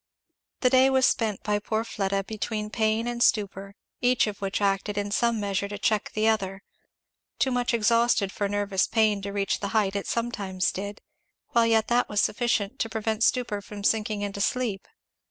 The day was spent by poor Fleda between pain and stupor, each of which acted in some measure to check the other; too much exhausted for nervous pain to reach the height it sometimes did, while yet that was sufficient to prevent stupor from sinking into sleep.